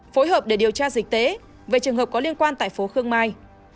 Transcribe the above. phối hợp để điều tra dịch tế về trường hợp có liên quan tại phố khương mai